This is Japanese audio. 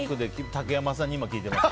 竹山さんに今、聞いてます。